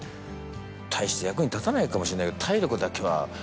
大して役に立たないかもしれないけど。